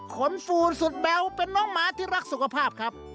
ฟูนสุดแบ๊วเป็นน้องหมาที่รักสุขภาพครับ